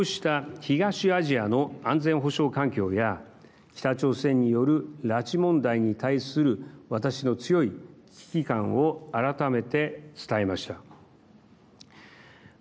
各国首脳に対してもこうした東アジアの安全保障環境や北朝鮮による拉致問題に対する私の強い危機感を改めて伝えました。